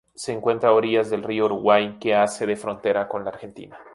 Se encuentra a orillas del río Uruguay, que hace de frontera con la Argentina.